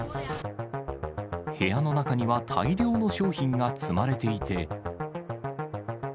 部屋の中には大量の商品が積まれていて。